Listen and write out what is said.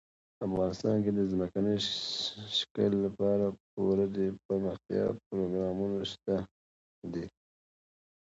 افغانستان کې د ځمکني شکل لپاره پوره دپرمختیا پروګرامونه شته دي.